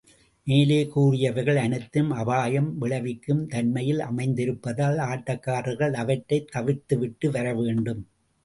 மேலே கூறியவைகள் அனைத்தும் அபாயம் விளைவிக்கும் தன்மையில் அமைந்திருப்பதால், ஆட்டக்காரர்கள் அவற்றைத் தவிர்த்துவிட்டு வர வேண்டும்.